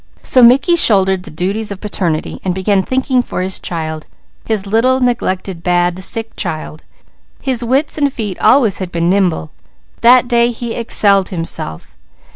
So Mickey shouldered the duties of paternity, and began thinking for his child, his little, neglected, bad, sick child. His wits and feet always had been nimble; that day he excelled himself.